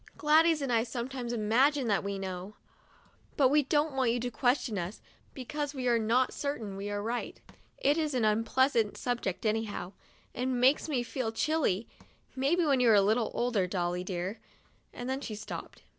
Gladys and I some times imagine that we know; but we don't want you to question us, because we are not certain we are right. It is an unpleasant subject anyhow, and makes me feel chilly. Maybe when you are a little older, Dolly dear" — and then she stopped.